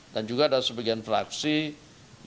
dan juga ada sebagian fraksi yang